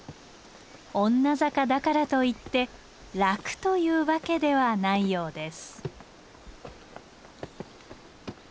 女坂だからといって楽というわけではないようです。